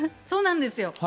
そうなんですよ。